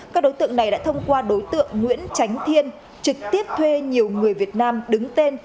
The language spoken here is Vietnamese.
các đối tượng này đã thông qua đối tượng nguyễn tránh thiên trực tiếp thuê nhiều người việt nam đứng tên